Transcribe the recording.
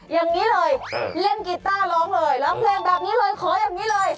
อย่างนี้เลยเล่นกีต้าร้องเลยร้องเพลงแบบนี้เลยขออย่างนี้เลย